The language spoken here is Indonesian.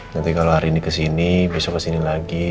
nanti kalau hari ini kesini besok kesini lagi